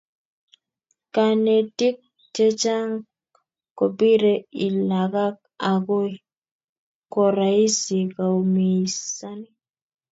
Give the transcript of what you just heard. kanetik chechang kopire I lakok akoi koraisi koumisani